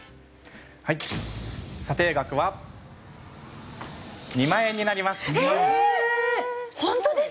はい査定額は２万円になります。